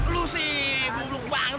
lu sih gue belum banget